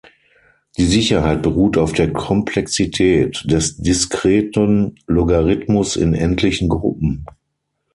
Die Sicherheit beruht auf der Komplexität des Diskreten Logarithmus in endlichen Gruppen.